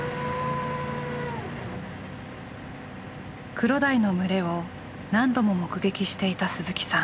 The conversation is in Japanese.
クロダイの群れを何度も目撃していた鈴木さん。